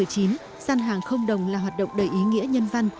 gian hàng không đồng là hoạt động đầy ý nghĩa nhân văn